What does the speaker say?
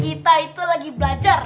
kita itu lagi belajar